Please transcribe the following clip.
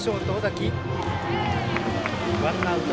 ワンアウト。